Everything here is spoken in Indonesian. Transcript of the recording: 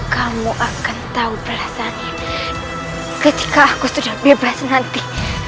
kamu akan tahu perasaannya ketika aku sudah bebas nanti